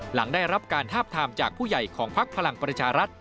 หลังได้รับการทาบทามจากผู้ใหญ่ของพักพลังประชารัฐ